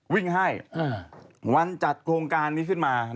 วิ่งให้วันจัดโครงการนี้ขึ้นมา